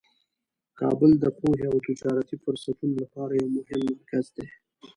کابل د پوهې او تجارتي فرصتونو لپاره یو مهم مرکز دی.